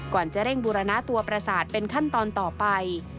ก่อนจะเร่งบูรณะตัวประสาทเป็นขั้นตอนต่อไป